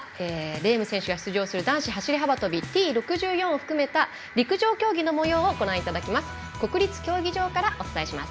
レーム選手が出場する男子走り幅跳びＴ６４を含めた陸上競技のもようをお伝えします。